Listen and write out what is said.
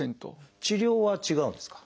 治療は違うんですか？